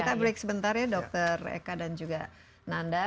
kita break sebentar ya dr eka dan juga nanda